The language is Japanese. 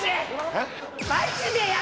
えっ？